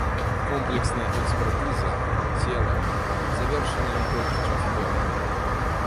Комплексная экспертыза цела завершаная толькі часткова.